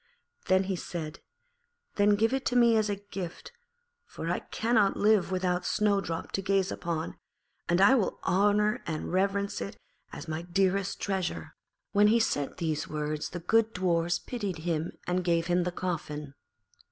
Then he said, 'Then give it to me as a gift, for I cannot live without Snowdrop to gaze upon; and I will honour and reverence it as my dearest treasure.' When he had said these words the good Dwarfs pitied him and gave him the coffin.